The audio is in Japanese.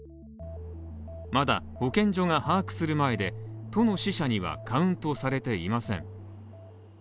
まだ保健所が把握する前で、都の死者にはカウントされていません。